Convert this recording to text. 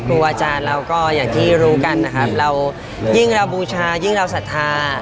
อาจารย์เราก็อย่างที่รู้กันนะครับเรายิ่งเราบูชายิ่งเราศรัทธา